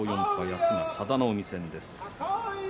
明日は佐田の海戦です。